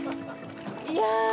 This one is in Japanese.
いや。